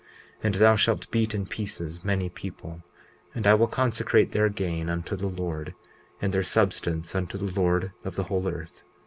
And thou shalt beat in pieces many people; and I will consecrate their gain unto the Lord, and their substance unto the Lord of the whole earth.